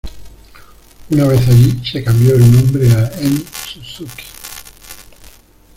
Una vez allí, se cambió el nombre a "Emi Suzuki".